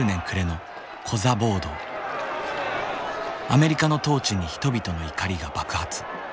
アメリカの統治に人々の怒りが爆発。